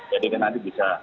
jadi nanti bisa